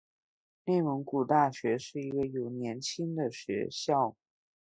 内蒙古大学是一个有年轻的学校。